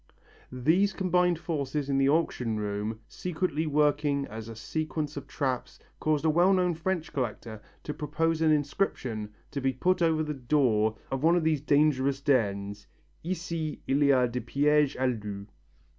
These combined forces in the auction room secretly working as a sequence of traps caused a well known French collector to propose as an inscription to be put over the door of one of these dangerous dens: "Ici il y a des pièges à loups."